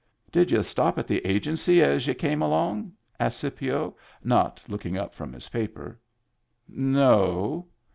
"Did y'u stop at the Agency as y'u came along?" asked Scipio, not looking up from his paper. "No."